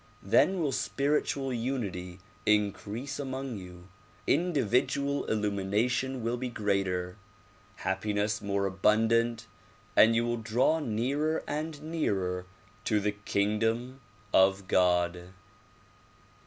Then will spiritual unity increase among you, individual illumination will be greater, happiness more abundant and you will draw nearer and nearer to the kingdom of God.